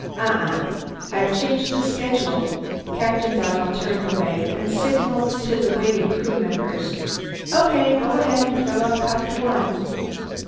"Uh uh. I've changed the schedule." Captain Donnell turned away and signalled to the waiting crew members. "Okay, go ahead and fill up Copter One!"